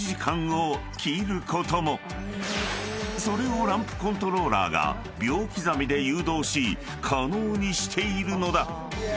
［それをランプコントローラーが秒刻みで誘導し可能にしているのだ］